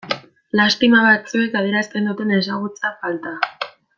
Lastima batzuek adierazten duten ezagutza falta.